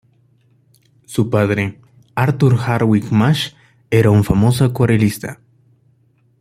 Su padre, Arthur Hardwick Marsh, era un famoso acuarelista.